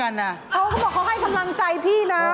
เขาก็บอกให้กำลังใจพี่นะ